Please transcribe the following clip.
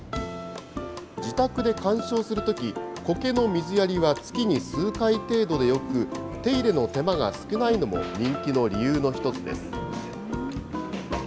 自宅で観賞するとき、苔の水やりは月に数回程度でよく、手入れの手間が少ないのも人気の理由の一つです。